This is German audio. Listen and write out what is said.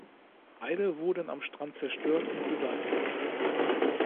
Beide wurden am Strand zerstört und beseitigt.